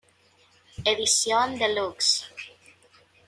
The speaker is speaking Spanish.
Edición Deluxe